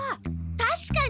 たしかに。